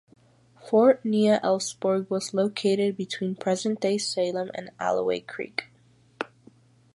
Fort Nya Elfsborg was located between present day Salem and Alloway Creek.